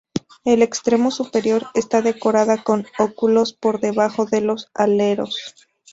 El extremo superior está decorada con óculos por debajo de los aleros.